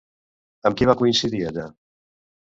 Amb qui va coincidir allà?